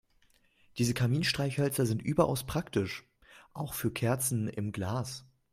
Diese Kaminstreichhölzer sind überaus praktisch, auch für Kerzen im Glas.